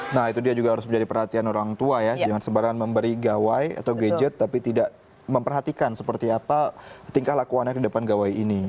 nah itu dia juga harus menjadi perhatian orang tua ya jangan sembarangan memberi gawai atau gadget tapi tidak memperhatikan seperti apa tingkah lakuannya ke depan gawai ini